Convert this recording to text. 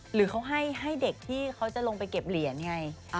หรือเขาให้เด็กที่เขาจะลงไปเก็บเหรียญไง